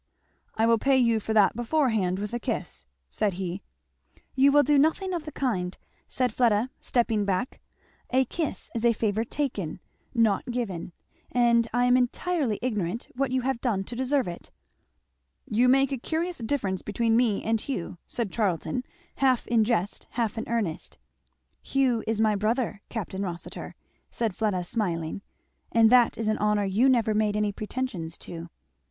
"I will pay you for that beforehand with a kiss," said he. "You will do nothing of the kind," said Fleda stepping back; "a kiss is a favour taken, not given; and I am entirely ignorant what you have done to deserve it." "You make a curious difference between me and Hugh," said Charlton, half in jest, half in earnest. "Hugh is my brother, Capt. Rossitur," said Fleda smiling, and that is an honour you never made any pretensions to."